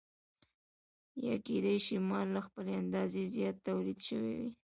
یا کېدای شي مال له خپلې اندازې زیات تولید شوی وي